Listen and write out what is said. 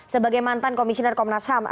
sebagai mantan komisioner komnas ham